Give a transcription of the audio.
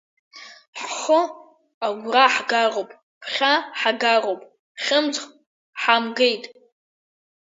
Ҳхы агәра ҳгароуп, ԥхьа ҳагароуп, хьымӡӷ ҳамгеит.